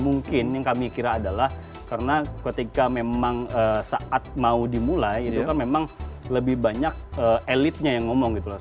mungkin yang kami kira adalah karena ketika memang saat mau dimulai itu kan memang lebih banyak elitnya yang ngomong gitu loh